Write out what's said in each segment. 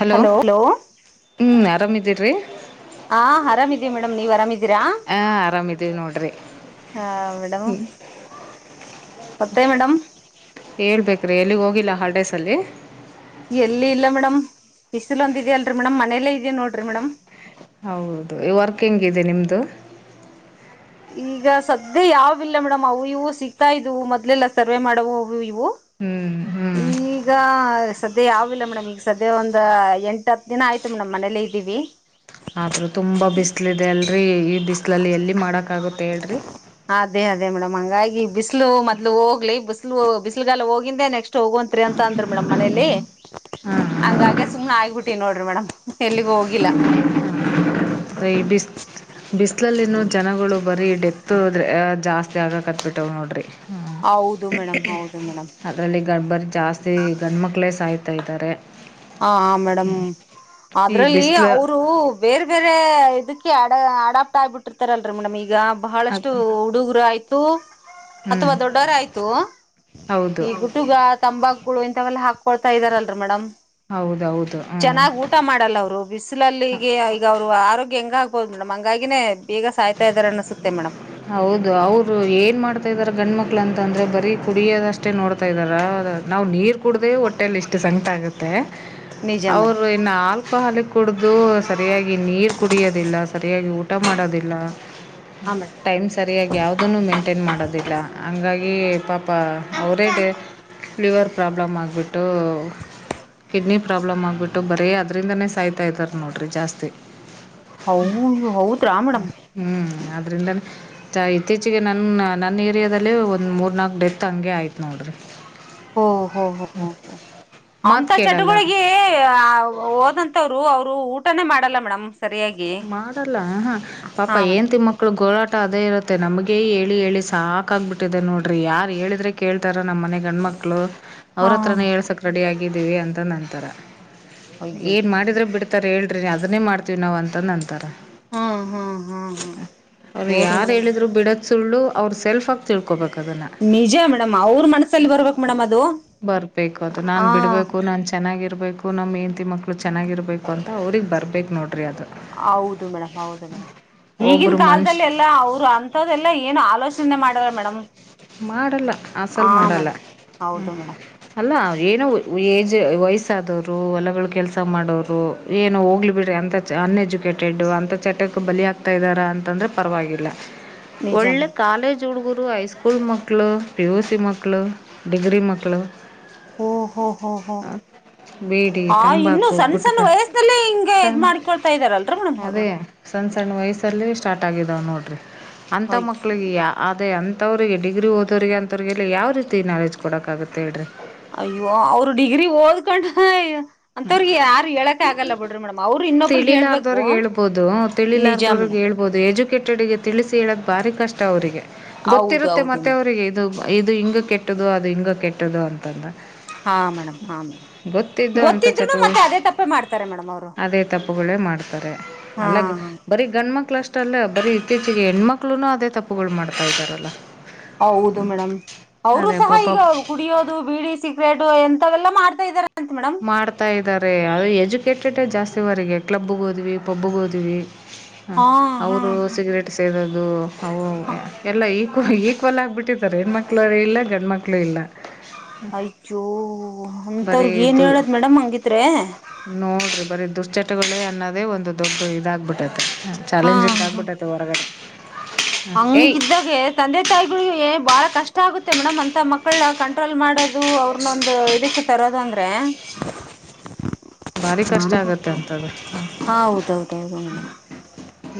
Hello ಹ್ಮ್ ಆರಾಮಿದ್ದೀರ್ ರಿ ಹ ಆರಾಮಿದೀವ್ ಮೇಡಮ್ ನೀವ್ ಆರಾಮಿದೀರಾ ಹಾ ಆರಾಮಿದೀವಿ ನೋಡ್ರಿ ಹ ಮೇಡಮ್ ಮತ್ತೆ ಮೇಡಂ. ಹೇಳ್ಬೇಕ್ರಿ ಎಲ್ಲಿಗ್ ಹೋಗಿಲ್ಲ ಹಾಲ್ಡೇಸಲ್ಲಿ? ಬಿಸಿಲು ಒಂದ್ ಇದೆಯಲ್ರಿ ಮೇಡಮ್ ಮನೇಲೆ ಇದೀನ್ ನೋಡ್ರಿ ಮೇಡಂ. ಹೌದು ಈ ವರ್ಕ್ ಹೆಂಗಿದೆ ನಿಮ್ದು? ಈಗ ಸದ್ಯ ಯಾವಿಲ್ಲ ಮೇಡಮ್ ಅವು ಇವು ಸಿಗ್ತಾ ಇದ್ವು ಮೊದ್ಲೇಲ್ಲಾ ಸರ್ವೆ ಮಾಡುವು. ಹ್ಮ್-ಹ್ಮ್ ಈಗ ಸದ್ಯ ಯಾವಿಲ್ಲ ಮೇಡಮ್ ಈಗ ಸದ್ಯ ಒಂದ್ ಎಂಟ ಹತ್ತ್ ದಿನ ಆಯ್ತು ಮೇಡಮ್ ಮನೇಲೆ ಇದೀವಿ. ಆತ್ರ ತುಂಬಾ ಬಿಸ್ಲ್ ಇದೆ ಅಲ್ರ್ ರೀ ಈ ಬಿಸ್ಲಲ್ಲಿ ಎಲ್ಲಿ ಮಾಡಕ್ ಆಗುತ್ತೆ ಹೇಳ್ರಿ? ಅದೇ ಅದೇ ಮೇಡಮ್ ಹಂಗಾಗಿ ಬಿಸ್ಲು ಮೊದ್ಲು ಹೋಗ್ಲಿ ಬಿಸಿಲು ಬಿಸಿಲುಗಾಲ ಹೋಗಿಂದೇ ನೆಕ್ಸ್ ಕ್ಸ್ಟ್ ಹೊಗೊಂತ್ರಿ ಅಂತ ಅಂದ್ರ ಮೇಡಮ್ ಮನೇಲಿ ಹಂಗಾಗೆ ಸುಮ್ ಆಗಿಬಿಟ್ ತಿ ನೋಡ್ರಿ ಮೇಡಮ್. ಹಾ ಎಲ್ಲಿಗೂ ಹೋಗಿಲ್ಲ [unintelligible] ಬಿಸ ಬಿಸ. ಬಿಸಿಲಲ್ಲಿನು ಜನಗಳು. ಬರೀ ಡೆತೂ [unintelligible] ಆ. ಜಾಸ್ತಿ ಆಗಕತ್ಬಿಟ್ಟವ ನೋಡ್ರಿ. ಹ ಹೌದು ಮೇಡಮ್ ಹೌದು ಮೇಡಮ್ ಅದರಲ್ಲಿ ಗ ಬರಿ ಜಾಸ್ತಿ ಗಂಡ ಮಕ್ಕಳೇ ಸಾಯ್ತ. ಯತಾ ಇದ್ದಾರೆ. ಹ ಮೇಡಮ್ ಈ ಅದ್ರಲ್ಲಿ. ಬಿಸಿಲು ಅವರು ಬೇರೆ ಬೇರೆ. ಅದಕ್ಕೆ ಅಡ ಅಡಾಪ್ಟ ಆಗಬಿಟ್ಟ. ಬಿಟ್ಟರ್ತಾರಲ್ರಿ ಮೇಡಮ್ ಈಗ ಬಹಳಷ್ಟು ಹುಡುಗುರು ಆಯ್ತು. ತು. ಅಥವಾ ಹ್ಮ್ ದೊಡ್ಡವರ ಆಯ್ತು ಈ ಹೌದು ಗುಟುಗ ತಂಬಾಕ. ಕೂಗಳು ಹಿಂತವೆಲ್ಲ ಹಾಕೊಳ್ತಾ ಇದರಲ್ಲರಿ ಮೇಡಮ್. ಹೌದೌದು ಹ್ಮ್ ಚೆನ್ನಾಗ ಊಟ ಮಾಡಲ್ಲ ಅವ್ರು ಬಿಸಿಲಲ್ಲಿಗೆ ಈಗ ಅವ್ರು ಆರೋಗ್ಯ ಹೆಂಗ ಆಗ. ಹೌದ ಮೇಡಮ್ ಹಂಗಾಗಿನೆ. ಹೌದು ಅವರು ಏನ ಮಾಡ್ತಾ ಇದಾರೊ ಗಂಡ ಮಕ್ಳು. ಕಳ ಅಂತ ಅಂದ್ರೆ ಬರೀ ಕುಡಿಯೋದಷ್ಟೇ ನೋಡ್ತಾ ಇದ್ದಾರ ಅವರ ನಾವ ನೀರ್. ಕುಡ್ಡೆ ಹೊಟ್ಟೆೆಯಲ್ಲಿ ಇಷ್ಟ ಸಂಗಟ ಆಗತ್ತೆ ನಿಜ ಮೇಡಮ್ ಅವರು ಇನ್ನ ಆಲ್ಕೊಹಾಲಿಕ್ ಕುಡ್ದು ಸರಿಯಾಗಿ ನೀರ ಕುಡಿಯೋದಿಲ್ಲ ಸರಿಯಾಗಿ ಊಟ. ಊಟಾ ಮಾಡೋದ. ದಿಲ್ಲಾ. ಹಾ ಮೇಡಮ್ ಟೈಮ್ ಸರಿಯಾಗಿ ಯಾವ್ದನು ಮೇಂಟೈನ್ ಮಾಡದ. ದಿಲ್ಲ ಹಂಗಾಗಿ ಪಾಪ ಎವರಿಡೇ ಲಿವರ್ ಪ್ರಾಬ್ಲಮ್ ಆಗಬಿಟ್ಟು ಕಿಡ್ನಿ ಪ್ರಾಬ್ಲಮ್ ಆಗಬಿಟ್ಟು ಬರೆ ಅದರಿಂದಾನೇ ಸಾಯ್ತಾ ಇದ್ದಾರ ನೋಡ್ರಿ ಜಾಸ್ತಿ. ಹೌ ಹೌದ್ರಾ ಮೇಡಮ್. ಹ್ ಅದರಿಂದಾನೆ ಚಾ ಇತ್ತೀಚಿಗೆ ನನ್ನ ನನ್ನ ಏರಿಯಾದಲ್ಲೆ ಒಂದ ಮೂರ ನಾಲ್ಕ ಡೆತ್ ಹಂಗೆ ಆಯ್ತ ನೋಡ್ರಿ. ಹೊ ಓಹೋ ಹ ಮಾತ್ ಅಂತ ಕೇಳಲ್ಲ ಚಟಗಳಿಗೆ ಆ ಹೋದಂತವರು ಅವರು. ಅವರು ಊಟನೇ ಮಾಡಲ್ಲ ಮೇಡಮ್. ಸರಿಯಾಗಿ ಮಾಡಲ್ಲ ಹಹ ಪಾಪ ಹಾ ಮೇಡಮ್ ಹೆಂತಿ ಮಕ್ಳು ಗೋಳಾಟ. ಟ ಅದೇ ಇರತ್ತೆ ನಮಗೆ ಹೇಳಿ ಹೇಳಿ ಸಾಕ ಆಗ್ಬಿಟ್ಟಿದೆ ನೋಡ್ರಿ ಯಾರ ಹೇಳಿದ್ರೆ ಕೇಳ್ತಾರ. ನಮ್ಮ ಮನೆ ಗಂಡ ಮಕ್ಕಳು ಅವ್ರ ಹಾ ಹತ್ರಾನೆ ಹೆಳ್ಸಕ ರೆಡಿ ಆಗಿ. ಆಗಿದೀವಿ ಅಂತ ಅಂದ ಅನ್ನತಾರ. ಏನ ಅಯ್ಯಯ್ಯೋ ಮಾಡಿದ್ರರು ಬಿಡ್ತಾರ ಹೇಳ. [unintelligible] ಅದನ್ನೇ ಮಾಡತೀವಿ ನಾವ ಅಂತ. ಅಂತ ಅಂದ ಅನ್ನತರ. ಹ್ಮ್ ಹ್ಮ್ ಹ್ಮ್ ಹ್ಮ್ ಅವರ ನೋಡ್ರಿ ಯಾರ ಮೇಡಮ್ ಹೇಳಿದ್ರು ಬಿಡೋದ ಸುಳ್ಳು. ಅವ್ರರು ಸೆಲ್ಫ ಆಗಿ ತಿಳ್ಕೋಬೇಕು ನಿಜ ಮೇಡಮ್ ಅವ್ರ ಮನಸಲ್ಲಿ ಬರ್ಬೇಕು ಮೇಡಮ್ ಅದು ಆ ಇರ್ಬೇಕು ನಮ್ ಹೆಂಡತಿ ಮಕ್ಕಳು ಚೆನ್ನಾಗಿರ್ಬೇಕು ಅಂತ ಅವ್ರಗ್ ಬರ್ಬೇಕು ನೋಡ್ರಿ ಅದು ಹೌದು ಮೇಡ್ ಹೌದು ಮೇಡ ಈಗಿನ ಒಬ್ಬರು ಮನುಷ್ಯ ಕಾಲದಲ್ಲಿ ಎಲ್ಲಾ ಅವರು ಅಂಂತ್ದಲ್ಲಾ ಏನು ಆಲೋಚನೆ ಮಾಡಾರ ಮೇಡ ಮಾಡಲ್ಲ ಹ ಅಸಲು ಮೇಡ ಮಾಡಲ್ಲ ಹೌದು ಮೇ ಅಲ್ಲ ಏನೋ ಏಜ್ ವಯಸ್ಸಾದವರು ಹೊಲಗಳು ಕೆಲಸ ಮಾಡೋರು ಏನೋ ಹೋಗ್ಲಿ ಬಿಡ್ರಿ ಅಂತ ಅನ್ಎಜುಕೇಟೆಡ್ಡು ಅಂತಥ ಚಟ್ಟಕ್ಕೆ ಬಲಿಿಯಾಗಗ್ತಾ ಇದ್ದಾರಾ ಅಂತಂದರೆೆ ಪರವಾಗಿಲ್ಲ ನಿಜ ಒಳ್ಳೆ ಮೇಡಮ್ ಕಾಲೇಜ್ ಉುಡುಗುರು ಹೈಸ್ಕೂಲ್ ಸ್ಕೂಲ್ ಮೋಕ್ಕಳ ಪಿ ಯು ಸಿ ಮೋಕ್ಕಳ ಡಿಗ್ರಿ ಮೋಕ್ಕಳ ಓ ಹೋ ಹೋ ಹೋ ಬೀಡಿ ಆ ಇನ್ನು ತಂಬಾಕು ಸಣ್ಣ ಸಣ್ಣ ಗುಟ್ಕಾ ವಯಸ್ಲ್ಲಿ ಹಿಂಗೆ ಇದ್ ಸಣ್ಣ ಮಾಡ್ಕ ಕೊಡ್ತಾ ಇದ್ದಾರಲ್ರ ಮಡಮ್ ಅವ್ರು ಅದೇ ಸಣ್ಣ ಸಣ್ಣ ವಯಸ್ಸಲ್ಲಿ ಸ್ಟಾರ್ಟ್ ಆಗಿದ್ದಾವೆ ನೋಡಿರಿ ಅಂತ ಅಯ್ಯೋ ಮಕ್ಕಳಿಗೆ ಅೇ ಅಂತ ಅಂತವ್ರರಿಗೆ ಡಿ್ರಿಓದೋ್ರರಿಗೆ ಅಂತವ್ರರಿಗೆಲ್ಲ ಯಾವ ರೀತಿ ನಾಲೆಜ್ ಕೊಡಕ್ಕ ಆಾಗುತ್ತೆ ಹೇಳ್ರಿ ಅಯ್ಯೋ ಅವರು ಡಿಗ್ರಿ ಓದ್ಕೊಂಡ ಅಂತವ್ರಿಗೆ ಯಾರು ಹೇಳಕ ಆಗಲ್ಲ ಬಿಡ್ರಿ ಮೇಡಮ್ ಅವರು ಇನ್ನೊಬ್ರಿಗೆ ಹೇಳ್ಬೇಕು ತಿಳಿಲಾರ್ದವ್ರಿಗೆ ಹೇಳ್ಬೋದು ನಿಜ ಮೇಡಮ್ ಕಡಿಗೆ ತಿಳಿಸಿ ಹೇಳದ ಭಾರಿ ಕಷ್ಟ ಅವರಿಗೆ ಹೌದು ಗೊತ್ತಿರುತ್ತೆ ಹೌದು ಮತ್ತೆ ಮೇಡಮ್ ಅವರಿಗೆ ಇದು ಇದು ಹಿಂಗ ಕೆಟ್ಟದ್ದ ಅದು ಹಿಂಗ ಕೆಟ್ಟದು ಅಂತಂದ ಹಾ ಮೇಡಮ್ ಹಾ ಮೇಡ್ ಗೊತ್ತತ್ತು ಟುವಿ ಅದೇ ತಪ್ಪುಗಳೇ ಮಾಡ್ತಾರೆ ಹಾ ಅಲ್ಲ ಬರಿ ಗಂಡ ಹೆಣ್ಮಕ್ಳ ಅಷ್ಟಲ್ಲೇ ಬರೀ ಇತ್ತೀಚಿಗೆ ಹೆಣ್ಮಕ್ಳುನು ಅದೇ ತಪ್ಪುಗಳು ಮಾಡ್ತಾ ಇದ್ದಾರಲ್ಲಾ ಹೌದು ಮೇಡಮ್ ಅವರು ಸಹ ಈಗ ಪಾಪ ಕುಡಿಯೋದು ಬೀಡಿ ಸಿಕ್ರೆಟ್ ಎ ೆಲ್ಲ ಮಾಡ್ತಾ ಇದ್ದಾರೆ ಮಾಡ್ತಾ ಇದ್ದಾರೆ ಅದು ಹೆಜು ಕೆಟ್ಟಟ್ಟ ಜಾಸ್ತಿವರೆಗೆ ಕ್ಲಬ್ಬಗ ಹೋದ್ವಿ ಪಬ್ಗೋದ್ವಿ ಹ ಹಾ ಹಾ ಅವರು ಹಾ ಸಿಗರೇಟ್ ಸೇ ದು ಹ ಎಲ್ಲ ಈ ಈಕ್ವಲ್ ಆಗ್ಿಬಿಟ್ಟಿದ್ದಾರೆ ಹೆಣ್ಮ ಮಕ್ಳು ಇಲ್ಲ ಗಂಡ ಮಕ್ಳು ಇಲ್ಲ ಆಯಚ್ಚು ಬರೀ ಅಂತವ್ರಗ್ ಏನ್ ದು ಹೇಳದ್ ಮೇಡಮ್ ಹಂಗಿದ್ರೆ ನೋಡಿರಿ ಬರೀ ದುಶ್ಚಟಗಳೇ ಅನ್ನೋದೇ ಒಂದು ದೊಡ್ಡ ಇದಾಗಬಿಟ್ಟದೆ ಹಾ ಚಾಲೆಂಜಿಂಗ್ ಹ ಆಗ್ಬಿಟ್ಟೈತೆ ಹೊರಗಡೆ ಹಾಂ ಏಯ್ ಹಂಗಿದ್ದಾಗೆ ತಂದೆ ತಾಯಿಗಳು ಏ. ಬಾಳ ಕಷ್ಟ ಆಗುತ್ತೆ ಮೇಡಮ್ ಅಂತ ಮಕ್ಕಳನಾ ಕಂಟ್ರೋಲ್ ಮಾಡೋದು ಅವ್ರನ್ನೊಂದ ಇದಕ್ಕ ತರೋದು ಅಂದ್ರೆ. ಬಾರಿ ಕಷ್ಟ ಆಗತ್ತ ಹಂತದ ಹೌದೌದೌದು ಮೇಡಮ್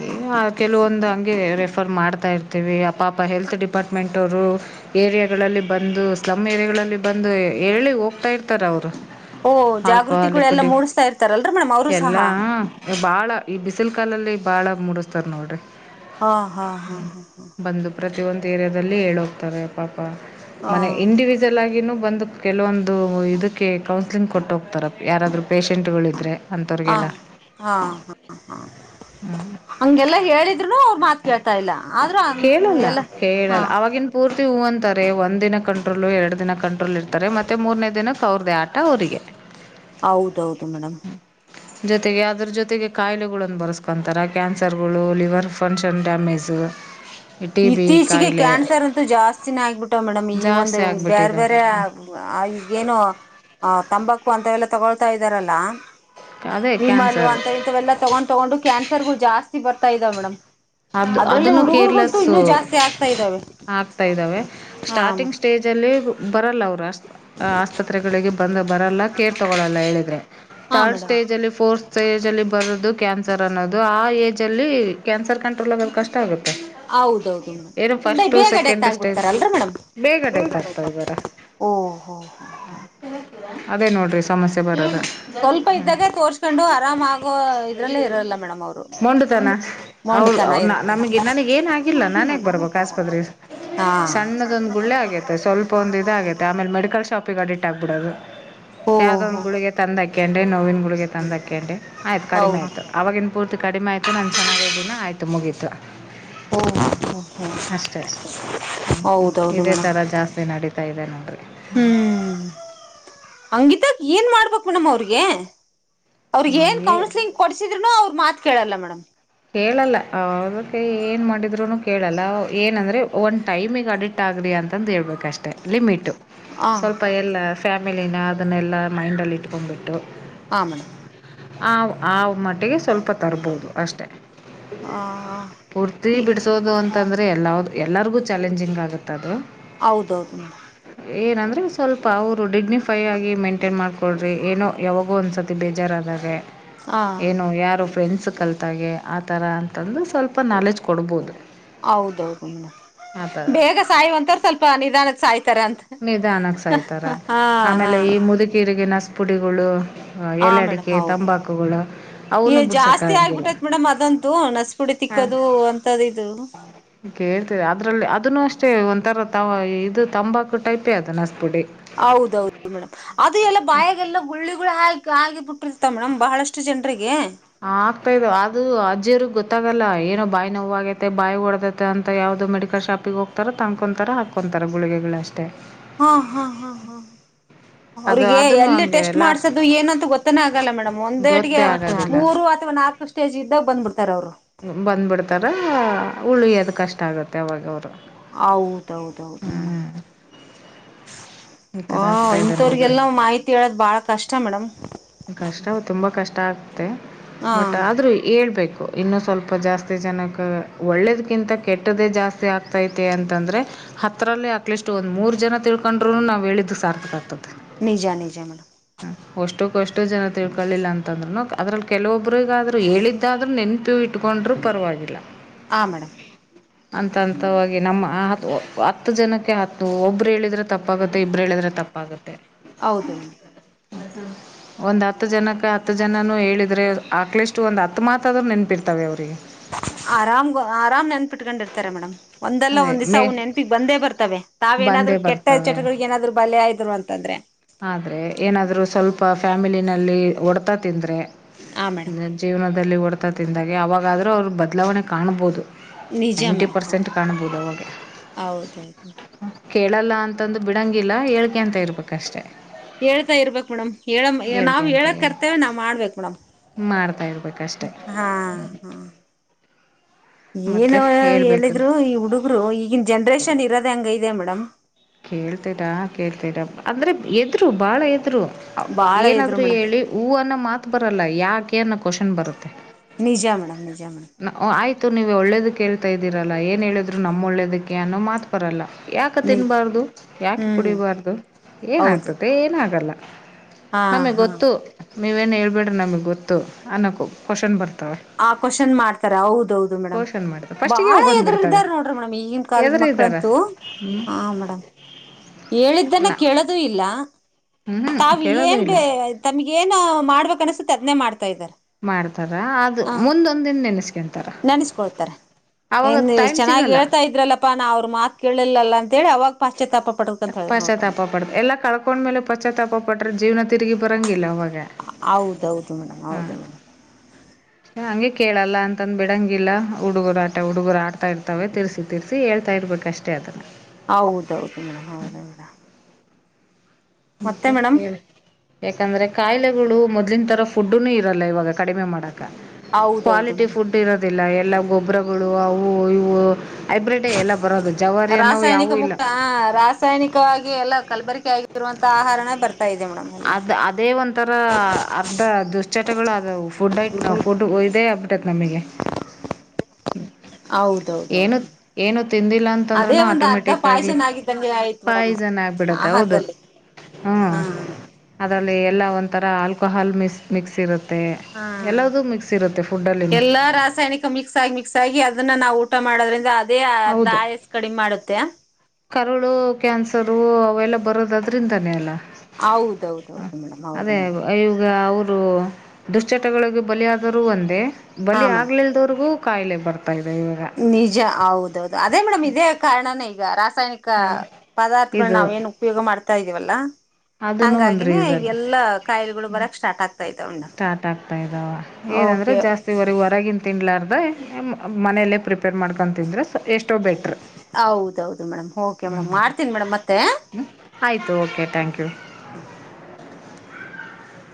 ಏನ್ ಕೆಲವೊಂದು ಹಂಗೆ. ರೆಫರ್ ಮಾಡ್ತಾ ಇರ್ತೀವಿ ಅಪ್ಪಪ್ಪ ಹೆಲ್ತ್ ಡಿಪಾರ್ಟ್ಮೆಂಟ್ವರು ಏರಿಯಾಗಳಲ್ಲಿ ಬಂದು ಸ್ಲಮ್ ಏರಿಯಾಗಳಲ್ಲಿ ಬಂದು ಹೇಳಿ ಹೋಗ್ತಾ ಇರ್ತಾರ ಅವರು. ಓ ಜಾಗೃತಿಕ. ಆಲ್ಕೋಹಾಲಿಕ್ ಎಲ್ಲಾ ಡಿ ಮೂಡಸ್ತಾ ಇರ್ತಾಲರಿ ಮೇಡಮ್ ಅವ್ರು ಸಹ. ಬಾಳ ಈ ಬಿಸಿಲ ಕಾಲಲ್ಲಿ ಬಾಳ ಮುಡಿಸ್ತಾರ ನೋಡ್ರಿ. ಹಾ ಹಾ ಹಾ ಹಾ ಹಾ. ಬಂದು ಪ್ರತಿಯೊಂದು ಏರಿಯಾದಲ್ಲಿ ಹೇಳ ಹೋಗ್ತಾರೆ ಪಾ. ಪಾ ಹಾ ಮನೆ ಇಂಡಿವಿಜುವಲ್ ಆಗಿನು ಬಂದ. ಕೆಲವೊಂದು ಇದಕ್ಕೆ ಕೌನ್ಸಲಿಂಗ್ ಕೊಟ್ಟು ಹೋಗ್ತಾರ ಯಾರಾದ್ರೂ ಪೇಷೆಂಟಗಳಿದ್ರೆ. ಹಾ ಹಾ ಹಾ ಹಂಗೆಲ್ಲಾ ಹೇಳಿದ್ರುನು ಅವ್ರ ಮಾತ. ಕೇಳ್ತಾ ಇಲ್ಲ. ಆದ್ರೂ ಕೇಳಲ್ಲ ಎಲ್ಲ ಹಾ ಕೇಳಲ್ಲ ಅವಾಗಿನ ಪೂರ್ತೆ. ಹೂ ಅಂತಾರೆ ಒಂದ ದಿನ ಕಂಟ್ರೋಲು ಎರಡ ದಿನ ಕಂಟ್ರೋಲ್ ಇರ್ತಾರೆ ಮತ್ತೆ ಮೂರನೇ ದಿನಕ್ಕೆ ಅವ್ರದೇ ಆಟ ಅವರಿಗೆ. ಹೌದೌದು ಮೇಡಮ್. ಜೊತೆಗೆ ಅದ್ರ ಜೊತೆಗೆ ಕಾಯಿಲೆಗಳನ್ನು ಬರೆಸ್ಕೊಂತಾರೆ ಕ್ಯಾನ್ಸರ್ಗಳು liver function damage. T B ಇತ್ತೀಚೆಗೆ ಕಾಯಿಲೆ ಕ್ಯಾನ್ಸರ್ ಅಂತೂ ಜಾಸ್ತಿನ ಆಗಿಬಿಟ್ಟವ ಮೇಡಮ್ ಈ ಒಂದ ಜಾಸ್ತಿ ಬ್ಯಾರ ಆಗ್ಬಿಟ್ಟಿದಾವ ಬ್ಯಾರೆ ಈಗ ಏನೋ ಅ. ತಂಬಾಕು ಹಂತವೆಲ್ಲ ತಗೊಳ್ತಾ ಇದ್ದಾರಲ್ಲಾ. ಅದೇ ವಿಮಲ್ ಕ್ಯಾನ್ಸರ್ ಅಂತ ಇಂಥವೆಲ್ಲ ತಗೊಂಡ ತಗೊಂಡು ಕ್ಯಾನ್ಸರ್ ಗಳು ಜಾಸ್ತಿ ಬರ್ತವೆ. ತ ಇದಾವ ಮೇಡಮ್. ಅದು ಅದ್ರಲ್ಲಿ ಅದನ್ನು ಹುಡುಗರ್ಗಂತೂ ಕೇರ್ಲೆಸ್ ಇನ್ನೂ ಜಾಸ್ತಿ ಆಗ್ತಾ ಇದ್ದಾವೆ ಆಗ್ತಾ ಇದ್ದಾವೆ ಹಾ ಸ್ಟಾರ್ಟಿಂಗ್ ಮೇಡಮ್ ಸ್ಟೇಜ್ ಅಲ್ಲಿ. ಬರಲ್ಲ ಅವ್ರು ಅಷ್ಟ. ಆಸ್ಪತ್ರೆಗಳಿಗೆ ಬಂದ ಬರಲ್ಲ ಕೇರ್ ತಗೊಳ್ಳಲ್ಲ ಹೇಳಿದ್ರರೆ ಹಾ ಥರ್ಡ್ ಮೇಡಮ್ ಸ್ಟೇಜಲ್ಲಿ ಫೋರ್ತ್ ಸ್ಟೇಜ ಅಲ್ಲಿ ಬರೊದು ಕ್ಯಾನ್ಸರ್. ರ್ ಅನ್ನೋದು ಆ ಏಜ್ ಅಲ್ಲಿ ಕ್ಯಾನ್ಸರ್ ಕಂಡ. [unintelligible] ಕಷ್ಟ ಆಗುತ್ತ. ಹೌದೌದು ಮೇಡಮ್ ಬೇಗ ಡೆತ್ ಸೆಕೆಂಡ್ ಸ್ಟೇಜ್ ಆಗಬಿಡ್ತಾರಲ್ಲರಿ ಮೇಡಮ್ ಬೇಗ ಡೆತ್ ಆಗ್ತಾರೆ ಓಹೋಹೊ. ಅದೇ ನೋಡ. ಸ್ವಲ್ಪ ಇದ್ದಾಗ ತೋರ್ಸ್ಕೊಂಡು ಆರಾಮ ಆಗೋ ಇದ್ರಲ್ಲೇ ಇರಲ್ಲ ಮೇಡಮ್ ಅವರು ಮೊಂಡತನಾ. ಅವ ನಾ ನಮಗ ನನಗ ಏನಾಗಿಲ್ಲ ನಾನ ಯಾಕ ಬರ್ಬೇಕ ಆಸ್ಪತ್ರೆಗ ಹಾ ಸಣ್ಣದೊಂದ ಗುಳ್ಳೆ ಆಗೈತ ಸ್ವಲ್ಪ ಒಂದ ಇದ ಆಗೈತೆ ಆಮೇಲೆ ಮೆಡಿಕಲ್ ಶಾಪಿಗೆ ಅಡಿಟ್ ಆಗ್ಬಿಡೋದು. ಓ ಯಾವ್ದ ಒಂದ ಹೋ ಗುಳಿಗೆ ತಂದ. [unintelligible] [unintelligible] ಗುಳಿಗೆ ತಂದ [unintelligible] ಆಯ್ತ ಕಡಿಮೆ ಹೌದು ಆಯ್ತ ಆವಾಗಿ ಪೂರ್ತೆ. ಕಡಿಮೆ ಆ್ತು ನನ್ ಚನ್ನಾಗಿಲ್ಲ [unintelligible] ಿತ [inaudible] ಓ ಹ ಹ ಹ ಅಷ್ಟೆ ಹ್ಮ್ ಹೌದೌದು ಇದೇ ಮೇಡಮ್ ತರ ಜಾಸ್ತಿ ನಡೀತಾ ಇದೆ ನೋಡರಿ ಹ್ಮ [unintelligible] ಹಂಗಿತ ಏನ್ ಮಾಡ್ಬೇಕು ನಮ್ ಅವ್ರಿಗೆ ಅವ್ರಗ್ ಏನ್ ಏ ಕೌನ್ಸಲಿಂಗ್ ಕೊಡ್ಸಿದ್ರುನ ಅವ್ರರು ಮಾತ್ರ [inaudible] ಕೇಳಲ್ಲ ಮೇಡಮ್ ಕೇಳಲ್ಲ ಅದಕ್ಕೆ ಏನು ಮಾಡಿದ್ರರು ಕೇಳಲ್ಲ ಏನಂದರೆ ಒಂದು ಟೈಮಿಗೆ ಅಡಿಟ್ ಆಗರಿಿ ಅಂತಂದು ಹೇಳಬೇಕಷ್ಟೆ ಲಿಮಿಟು ಹ ಸ್ವಲ್ಪ ಎಲ್ಲ [unintelligible] ಆಮೇಲೆ ಅದನ್ನೆಲ್ಲ ಮೈಂಡಲ್ಲಿ ಇಟ್ಕೊ್ಬಿಟ್ಟು ಹಾ ಮೇಡಮ್ ಆ್ ಆ್ ಮ [unintelligible] ಿಗೆ ಸ್ವಲ್ಪ ತರಬಹುದು ಅಷ್ಟೇ ಆ [unintelligible] ಹರ್ತಿಿ ಬಿಡ್ಸೋದು ಅಂತಂದ್ರೆ ಎಲ್ಲ್ದ [unintelligible] ಎಲ್ಲರಿಗೂ ಚಾಲೆಂಜಿಂಗ್ ಆಗುತ್ತೆ ಅದು ಹೌದೌದು ಮೇಡ್ [unintelligible] ಏನಂದರೆ ಸ್ವಲ್ಪ ಅವರು ಡಿಗ್ನಿಫೈ ಆಗಿ ಮೈಂಟೈನ್ ಮಾಡ್ಕೊಂಡು ಕೊಡ್ರಿ ಏನೋ ಯಾವಾಗೂ ಒಂದು್ಸತಿ ಬೇಜಾರಾದಾಗೆ ಹಾ [unintelligible] ಏನು ಯಾರು ಫ್ರೆಂಡ್ಸ್ ಕಲ್ತಾಗೆ ಆ ಥರ ಅಂತಂದು ಸ್ವಲ್ಪ ನಾಲೆಜ್ ಕೊಡ್ಬೋದು ಹೌದೌದು ಮೇಡಮ್ ಆ ಬೇಗ ಸಾಯುವಂತ ಸ್ವಲ್ಪ ನಿಧಾನ [unintelligible] ಸಾಯ ಮಧ ಅಾನಕ್ ಸ ಆಾಯ್ತಾರ ಹಾ ಆಮೇಲೆ ಈ ಮುದುಕೀಗಿನ ಪುಡಿಗಳು ಹ ಹಾ ಎಲ್ಲ ಮೇಡಮ್ ಅಡಿಕೆ ಹೌದು ತಂಬಾಕುಗಳು ಈ ಅವನು ಜಾಸ್ತಿ ಬಿಡ್ಸಕ್ಕಂಗಿಲ್ಲ ಆಗ್ಬಿಟ್ಟೈತ್ ಮೇಡಮ್ ಅದಂತೂ ನಸ್ಪುಡಿ ಹ ತಿಕ್ಕೋದು ಅಂತದ್ ಇದು ಕೇಳ್ತೇವೆ ಅದ್ರಲ್ಲಿ ಅದನ್ನು ಅಷ್ಟ ಅಷ್ಟೇ ಒಂಥರ ತ ಇದು ತಂಬಾಕು ಟೈಪಿ ಅದದೆ ಹೌದೌದು ಮೇಡಮ್ ಅದು ಎಲ್ಲ ಬಾಯಾಗಲ್ಲ ಗುಳ್ಳಿ ಹಾ ಆ ಹಾಗೆ ಬಿುಟ್ಟಿರ್ತ ಮೇಡಮ್ ಬಹಳಷ್ಟು ಜನರಿಗೆ ಹ ಆಗ್ತಾ ಇದ್ದ ಅದು ಅಜರ್ಗ್ ಗೊತ್ತಾಗಲ್ಲ ಏನೋ ಬಾಯಿ ನೋವು ಆಾಗೈತೆ ಬಾಯ್ ಒಡದತೆ ಅಂತ ಯಾವವು್ದೋ ಮೆಡಿಕಲ್ ಶಾಪಿಗೆ ಹೋಗ್ತಾರ ತನ್ಕೊತಾರ ಹಾಕೊತಾರೆ ಗುಳಿಗೆಗಳಷ್ಟೇ ಹಾ ಹಾ ಹಾ ಹಾ ಅದು ಅವರಿಗೆ ಅದನ್ನು ಎಲ್ಲಿ ಹಂಗೆ ಟೆಸ್ಟ್ ಲಾಸ್ಟ್ ಮಾಡ್ಸೋದು ಏನು ಅಂತ ಗೊತ್ತನೇ ಆಗಲ್ಲ ಮೇಡಮ್ ಒಂದೇಟಿಗೆ ಗೊತ್ತೇ ಆಗೋದಿಲ್ಲ ಮೂರು ಅಥವಾ ನಾಲ್ಕು ಸ್ಟೇಜ್. ಬಂದ ಬಿಡ್ತಾರ ಅವರು. ಬಂದ್ಬಿಡ್ತಾರ ಉಳ್ಯದ್ ಕಷ್ಟ ಆಗತ್ತೆ ಅವಾಗ್ ಅವಗ. ಹೌದೌದೌದು ಮೇಡಮ್. ಈ ಥರ ಓ ಆಗ್ತಾ ಇದೆ ನೋಡ್ರಿ ಇಂತವ್ರಿಗೆಲ್ಲ ಮಾಹಿತಿ ಹೇಳೋದ್ ಬಾಳ ಕಷ್ಟ ಮೇಡಮ್. ರೆ ಹಾ ಬಟ್ ಆದ್ರೂ ಹೇಳ್ಬೇಕ್. ಇನ್ನು ಸ್ವಲ್ಪ ಜಾಸ್ತಿ ಜನಕ ಒಳ್ಳೇದಕ್ಕಿಂತ ಕೆಟ್ಟದ್ದೇ ಜಾಸ್ತಿ ಆಗ್ತೈತೆ ಅಂತಂದ್ರೆ ಹತ್ತರಲ್ಲಿ ಅಟ್ಲೀಸ್ಟ್ ಒಂದ್ ಮೂರ್ ಜನ ತಿಳ್ಕೊಂಡ್ರುನು ನಾವ್ ಹೇಳಿದು ಸಾರ್ತಕ ಆತು. ನಿಜ ನಿಜ ಮೇಡಮ್. ಅಷ್ಟು ಕಷ್ಟು ಜನ ತಿಳ್ಕೊಳ್ಳಿಲ್ಲ ಅಂತಂದ್ರರುನು ಅದ್ರಲ್ಲಿ ಕೆಲವೊಬ್ಬ್ರಗಾದ್ರು ಹೇಳಿದ್ದಾದ್ರು ನೆನಪ್ ಇಟ್ಕೊಂಡ್ರು ಪರ್ವಾಗಿಲ್ಲ. ಹ ಮೇಡಮ್. ಅಂತಂತವಾಗಿ ನಮ್ಮ ಹ ಹತ್ತು ಜನಕ್ಕೆ ಹತ್ ಒಬ್ರು ಹೇಳಿದ್ರೆ ತಪ್ಪಾಗುತ್ತೆ ಇಬ್ರ್ ಹೇಳದ್ರೆ ತಪ್ಪಾಗುತ್ತೆ. ಹೌದು ಮೇಡ್. ಹದು ಒಂದ್ ಹತ್ ಜನಕ ಹತ್ ಜನನು ಹೇಳಿದ್ರೆ ಆಕ್ಲಿಷ್ಟು ಒಂದ್ ಹತ್ ಮಾತ್ ಆದ್ರು ನೆನ್ಪಿರ್ತಾವೆ ಅವ್ರಿಗೆ. ಆರಾಮ್ ಆರಾಮ್ ನೆನಪಿಟ್ಕೊಂಡಿರ್ತಾರೆ ಮೇಡಮ್ ಒಂದಲ್ಲ ಅದೇ ಒಂದ್ ದಿವ್ಸ ಮೇ ಅವ್ ನೆನ್ಪಿಗ್ ಬಂದೇ ಬರ್ತಾವೆ ತಾವ್ ಏನಾದ್ರು ಬಂದೇ ಕೆಟ್ಟ ಬರ್ತವೆ ಚಟಗಳಿಗೆ ಏನಾದ್ರು ಬಲಿ ಆಯ್ದ್ರು ಅಂತಂದ್ರೆ. ಆದ್ರೆ ಏನಾದ್ರು ಸ್ವಲ್ಪ ಫ್ಯಾಮಿಲಿನಲ್ಲಿ ಹೊಡ್ತಾ ತಿಂದ್ರೆ. ಹಾ ಮೇಡಮ್ ನೆ ಜೀವ್ನ್ದ್ ದಲ್ಲಿ ಓಡ್ತಾ ತಿಂದಾಗೆ ಅವಾಗಾದ್ರು ಅವ್ರು ಬದ್ಲಾವಣೆ ಕಾಣ್ಬೊದು. ನಿಜ ಮೇಡಂ ಹೌದು ಹೌದೌದು. ಕೇಳಲ್ಲ ಅಂತಂದ್ ಬಿಡಂಗಿಲ್ಲ ಹೇಳ್ಕೆಂತ ಇರ್ಬೇಕ್. ಕಷ್ಟ ಹೇಳ್ತಾ ಇರ್ಬೇಕ್ ಮೇಡಮ್ ಹೇಳಮ್, ನಾವ್ ಹೇಳ್ಕ್ಯಂತ ಹೇಳ ಕರ್ತವ್ಯ ನಾವ್ ಮಾಡ್ಬೇಕ್ ಮೇಡಮ್. ಮಾಡ್ತಾ ಇರ್ಬೇಕಷ್ಟೆ. ಹಾ ಹಾ ಮತ್ತು ಏನು ಹೇಳ್ಬೇಕು ರೀ ಹೇಳಿದ್ರು ಈ ಹುಡುಗ್ರು ಈಗನ್ ಜನ್ರೇಷನ್ ಇರೋದೆ ಹಂಗ್ ಐ ಇದೆ ಮೇಡಮ್. ಕೇಳ್ತೇಡಾ ಕೇಳ್ತೇಡ ಅಂದ್ರೆ ಎದ್ರು ಬಾಳ ಎದ್ರು. ಬಾಳ ಇದ್ರು ಏನಾದ್ರು ಮೇಡಮ್ ಹೇಳಿ ಹೂ ಅನ್ನ ಮಾತ್ ಬರಲ್ಲ ಯಾಕ್ ಕೇರ್ನ ಕೊಷಶನ್ ಬರುತ್ತೆ. ನಿಜ ಮೇಡಮ್ ನಿಜ್ ನ್ ಓ ಆಯ್ತ್ ತು ನೀವೇ ಒಳ್ಳೇದಕ್ಕೆ ಹೇಳ್ತಾ ಇದ್ದೀರಲ್ಲ ಏನ್ ಹೇಳಿದ್ರು ನಮ್ ಒಳ್ಳೇದಕ್ಕೆ ಅನ್ನೋ ಮಾತ್ ಬರಲ್ಲ. ಯಾಕ ನಿಜ ತಿನ್ನಬಾರ್ದು ಯಾಕ್ ಹ್ಮ್ ಕುಡಿಬಾರ್ದು ಹೌದು ಏನಾಗ್ತದೆ ಏನಾಗಲ್ಲ. ಹಾ ನಮ್ಗ್ ಹಾ ಗೊತ್ತು. ನೀವೇನು ಹೇಳ್ಬೇಡ್ರಿ ನಮ್ಗ ಗೊತ್ತು ಅನ್ನೋಕ್ಕು ಕ್ವಶಷನ್ ಬರ್ ಆ ಕೋಷನ್ ಮಾಡ್ ತರ ಹೌದೌದು ಮೇಡಮ್ ಕ್ವಶನ್ ಮಾಡ್ತಾರೆ ಫಸ್ಟಿಗೆ ಬಾಳ ಅವು ಎದ್ರು ಬಂದ್ಬಿಡ್ತವೆ ಇದ್ದಾರ್ ನೋಡ್ರಿ ಮೇಡಮ್ ಈಗಿನ್ ಕಾಲದ್ ಎದ್ರು ಇದ್ದಾರೆ ಮಕ್ಕಳಂತೂ ಹಾ ಮೇಡಮ್ ಹೇಳಿದ್ದನ್ನ ನಾ ಕೇಳದು ಇಲ್ಲ. ಹ್ಞೂ [unintelligible] ತಾವ್ ಕೇಳೋದು ಏನ್ ಇಲ್ಲ ಬೇ ತಮಿಗ್ ಏನೊ ಮಾಡ್ಬೇಕ್ ಅನಿಸುತೆ ತದ್ನೆ ಮಾಡ್ತಾ ಇದಾರೆ. ಮಾಡ್ತಾರ ಅದು ಹ ಮುಂದೊಂದಿನ ನೆನೆಸ್ಕೊಂತಾರ ನನ್ಸ್ಕೊಳ್ತಾರೆ ಅವಾಗ ಏನ್ ಎಷ್ ಟೈಮ್ ಚೆನ್ನಾಗಿ ಸಿಗಲ್ಲ ಹೇಳ್ತಾ ಇದ್ರಲ್ಲಪ್ಪಾ ನಾ ಅವ್ರ ಮಾತ್ ಕೇಳಿಲ್ಲಲ್ಲ ತೆಳಿ ಅವಗ್ ಪ ಪಶತಾಪ ಪಡ್ ಎಲ್ಲ ಕಳ್ ಕೊಂಡ್ ಮೇಲು ಪಶತಾಪ ಪಟ್ಟ್ರ ಜೀವ್ನ ತಿರ್ಗಿ ಬರಂಗಿಲ್ಲ ಅವ ಹೌದೌದು ಮೇಡಮ್ ಹೌದು ಮೇಡಮ್. ಹಂಗೆ ಕೇಳಲ್ಲ ಅಂತಂದ್ ಬಿಡಂಗಿಲ್ಲ ಹುಡುಗುರ್ ಆಟ ಹುಡುಗಗುರ್ ಆಡ್ತಾ ಇರ್ತಾವೆ ತಿರ್ಸಿ ತಿರ್ಸಿ ಹೇಳ್ತಾ ಇರ್ಬೇಕ್ ಅಷ್ಟೇ ಅದನ್ನ. ಹೌದೌದು ಮೇಡಮ್ ಹೌದು ಮೇಡಮ್. ಮತ್ತೆ ಹೇಳ್ ಯಾಕಂದ್ರೆ ಕಾಯ್ಲೆ ಇವ್ಳು ಮೊದ್ಲಿನ್ ತರ ಫುಡ್ನು ಇರಲ್ಲ ಇವಾಗ ಕಡಿಮೆ ಮಾಡಕ್ ಹೌದೌದು ಕ್ವಾಲಿಟಿ ಮೇಡಮ್ ಫುಡ್ ಇರೋದಿಲ್ಲ ಎಲ್ಲ ಗೊಬ್ಬರ ಗಳು ಅವು ಇವು. ಹೈಬ್ರಿಡೇ ಎಲ್ಲ ಬರೋದು ಜವಾರಿ ಅನ್ನೋವು ರಾಸಾಯನಿಕ ಯಾವೂ ಇಲ್ಲ ಮುಖ ಆ ರಾಸಾಯನಿಕವಾಗಿ ಎಲ್ಲಾ ಕಲ್ಬರಿಕೆ ಆಗಿರುವಂ ತ ಆಹಾರನ ಬರ್ ಅದ್ ಅದೇ ಒಂಥರ ಅರ್ಧ ದುಶ್ಚಟಗಳು ಅದವು ಫುಡ್ ಐ ಫುಡ್ ಐದೆ. ಟ್ಟತ್ ನಮಿಗೆ. ಏನು ಹೌದೌದೌದು ಏನು ತಿಂದಿಲ್ಲ ಅದೇ ಅಂತಂದ್ರನು ಒಂದು ಅರ್ಧ ಆಟೋಮೆಟಿಕ್ ಆಗ್ಲಿ ಪಾಯ್ಸನ್ ಆಗಿದ್ದಂಗೆ ಆಯ್ತು ಮೇಡಮ್ ಪಾಯ್ಜನ್ ಆಗ್ಬಿಡತ್ತೆ ಹೌದು ಆಹಾರದಲ್ಲಿ ಹ್ಮ. ಹಾ ಅಲ್ಲಿ ಎಲ್ಲ ಒಂತರ ಆಲ್ಕೋಹಾಲ್ ಮಿ ಮಿಕ್ಸ್ ಇರುತ್ ಹಾ ಫುಡ್ಡಲ್ಲಿನೂ ಎಲ್ಲಾ ರಾಸಾಯ್ನಿಕ ಮಿಕ್ಸ್ ಆಗಿ ಮಿಕ್ಸ್ ಆಗಿ ಅದನ್ನ ನಾವ್ ಊಟ ಮಾಡದ್ರೆ ರಾದ್ ದೇ ಅದ್ ಹೌದು ಆಯಾಸ್ ಕಡಿಮ್ ಮಾಡುತ್ತೆ. ಕರುಳು ಕ್ಯಾನ್ಸರು ಅವೆಲ್ಲ ಬರೋದ್ ಅದ್ರಿಂದಾನೇ ಅಲ್ಲ. ಹೌದೌದು ಮೇಡಮ್ ಹೌದು ಮೇಡಮ್. ರು ದುಶ್ಚಟಗಳಿಗೆ ಬಲಿಯಾದರೂ ಒಂದೇ. ಹಾ ಬಲಿ ಮೇಡಮ್ ಆಗ್ಲಿಲ್ದವ್ರಗೂ ಕಾಯ್ಲೆ ಬರ್ ನಿಜ ಹೌದೌದು ಅದೇ ಮೇಡಮ್ ಇದೇ ಕಾರ್ಣನೆ ಈಗ ರಸ ಸಯ್ನಿಕ ಹ ಪದಾರ್ಥಗಳನ್ನ ಇದು ನಾವೇ ಏನ್ ಉಪಯೋಗ್ ಮಾಡ್ತಾ ಇವಲ್ಲ. ಅದನ್ನು ಒಂದು ಹಂಗಾಗಿನೇ ರೀಸನ್ ಇವೆಲ್ಲಾ ಕಾಯ್ಲೆಗುಳ್ ಬರಕ್ ಸ್ಟಾರ್ಟ್ ಆಗ್ ಸ್ಟಾರ್ಟ್ ಆಗ್ತಾ ಇದಾವ ಏನಂದ್ರೆ ಓಕೆ ಜಾಸ್ತಿವರ ಹೊರಗಿನ್ ತಿನ್ಲಾರ್ದೆ ಮ್ ಮನೆಲ್ಲೇ ಪ್ರಿಪೇರ್ ಮಾಡ್ಕೊಂತಿಂದ್ರೆ ಸ ಎಷ್ಟೋ ಬೆಟ್ರ್ ಹೌದೌದು ಮೇಡಮ್ ಓಕೆ ಹ್ಞೂ ಮೇಡಮ್ ಮಾಡ್ತೀನಿ ಮೇಡಮ್ ಮತ್ತೆ ಹ್ಞ ಆಯ್ತು ಓಕೆ ಥ್ಯಾಂಕ್ ಯು.